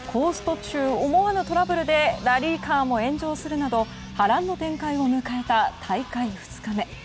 途中、思わぬトラブルでラリーカーも炎上するなど波乱の展開を迎えた大会２日目。